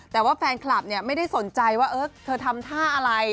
แต่ว่าแฟนคลับเนี่ยไม่ได้สนใจว่าเธอทำท่าอะไร